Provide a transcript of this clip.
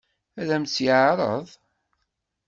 Ad m-tt-yeɛṛeḍ?